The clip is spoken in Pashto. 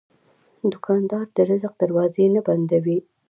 دوکاندار د رزق دروازې نه بندوي.